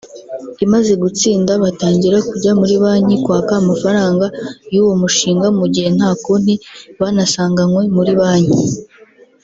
imaze gutsinda batangira kujya muri banki kwaka amafaranga y’uwo mushinga mu gihe nta konti banasanganywe muri banki